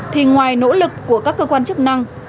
thì ngoài nỗ lực của các cơ quan chức năng